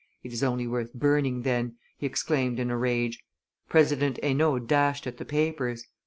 "It is only worth burning, then," he exclaimed in a rage. President Henault dashed at the papers.